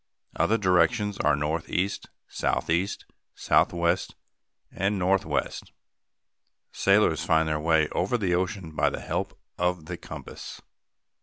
Other directions are northeast, southeast, southwest, and northwest. Sailors find their way over the ocean by the help of the compass.